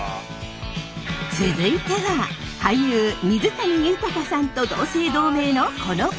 続いては俳優水谷豊さんと同姓同名のこの方。